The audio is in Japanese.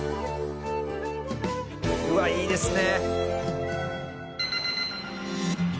うわっいいですね。